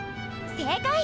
正解！